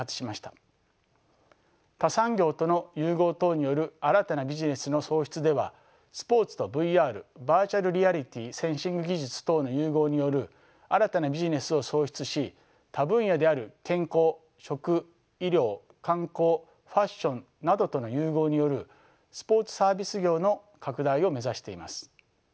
他産業との融合等による新たなビジネスの創出ではスポーツとＶＲバーチャルリアリティーセンシング技術等の融合による新たなビジネスを創出し他分野である健康食医療観光ファッションなどとの融合によるスポーツサービス業の拡大を目指しています。